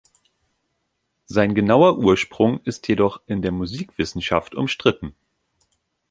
Sein genauer Ursprung ist jedoch in der Musikwissenschaft umstritten.